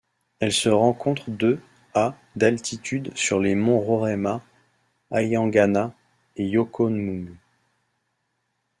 Elle se rencontre de à d'altitude sur les monts Roraima, Ayanganna et Wokomung.